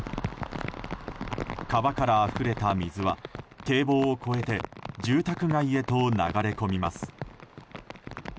川からあふれた水は堤防を越えて住宅街へと流れ込みます。